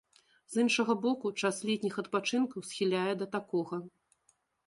З іншага боку, час летніх адпачынкаў схіляе да такога.